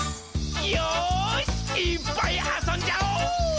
よーし、いーっぱいあそんじゃお！